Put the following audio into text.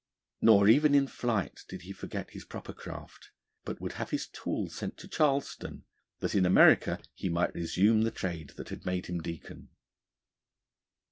Nor, even in flight, did he forget his proper craft, but would have his tools sent to Charleston, that in America he might resume the trade that had made him Deacon.